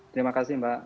terima kasih mbak